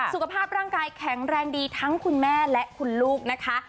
สุขภาพร่างกายแข็งแรงดีทั้งคุณแม่และคุณลูกนะคะ